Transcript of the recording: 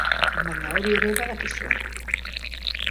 Baina hori ere badakizue.